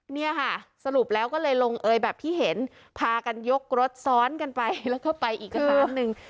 เนี่ยค่ะสรุปแล้วก็เลยลงเอยแบบที่เห็นพากันยกรถซ้อนกันไปแล้วก็ไปอีกชั้นหนึ่ง